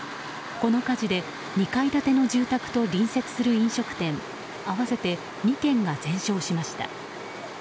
この火事で２階建ての住宅と隣接する飲食店合わせて２軒が全焼しました。